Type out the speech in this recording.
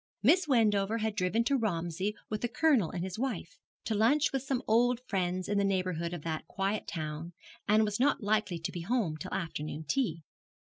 Miss Wendover had driven to Romsey with the Colonel and his wife, to lunch with some old friends in the neighbourhood of that quiet town, and was not likely to be home till afternoon tea.